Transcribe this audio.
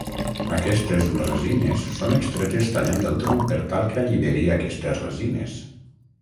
Aquestes resines són extretes tallant el tronc per tal que alliberi aquestes resines.